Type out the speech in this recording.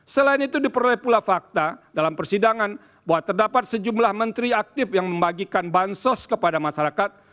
selain itu diperoleh pula fakta dalam persidangan bahwa terdapat sejumlah menteri aktif yang membagikan bansos kepada masyarakat